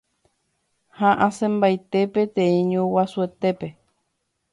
ha asẽmbaite peteĩ ñuguasuetépe